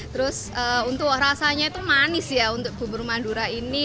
terus untuk rasanya itu manis ya untuk bubur madura ini